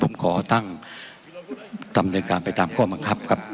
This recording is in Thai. ผมขอตั้งดำเนินการไปตามข้อบังคับครับ